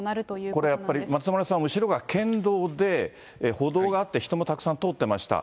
これやっぱり、松丸さん、後ろが県道で、歩道があって、人もたくさん通ってました。